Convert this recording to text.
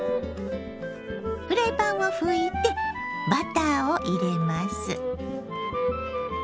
フライパンを拭いてバターを入れます。